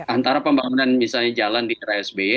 antara pembangunan misalnya jalan di era sby